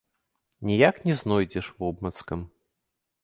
Ніяк не знойдзеш вобмацкам.